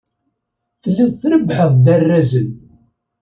Telliḍ trebbḥeḍ-d arrazen.